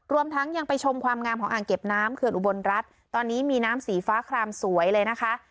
รวมทั้งยังไปชมความงามของอ่างเก็บน้ำเขื่อนอุบลรัฐตอนนี้มีน้ำสีฟ้าคลามสวยเลยนะคะ